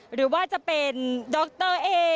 หรือว่าจะเป็นดรเอ